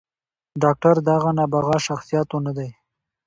“ډاکتر د هغه نابغه شخصياتو نه دے